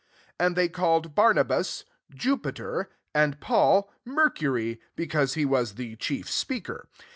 12 And they called Barnabas, Jupiter; and Paul, Mercury, because he was the chief speak er.